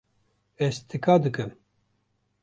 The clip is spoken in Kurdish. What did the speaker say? Ez tika dikim.